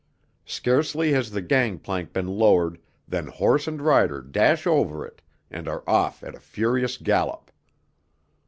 Scarcely has the gang plank been lowered than horse and rider dash over it and are off at a furious gallop.